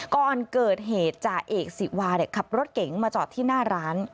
ก่อนเกิดเหตุจ่าเอกสิวาขับรถเก๋งมาจอดที่หน้าร้าน